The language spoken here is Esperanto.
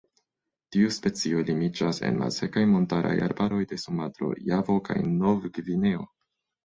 Tiu specio limiĝas en malsekaj montaraj arbaroj de Sumatro, Javo kaj Novgvineo.